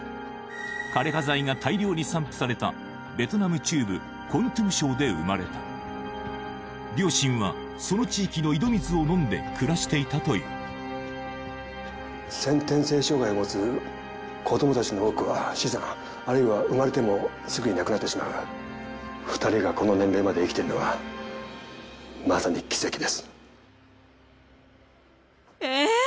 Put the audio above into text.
枯葉剤が大量に散布されたベトナム中部コントゥム省で生まれた両親はその地域の井戸水を飲んで暮らしていたという先天性障がいを持つ子どもたちの多くは死産あるいは生まれてもすぐに亡くなってしまう２人がこの年齢まで生きてるのはまさに奇跡ですええ